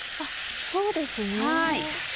そうですね。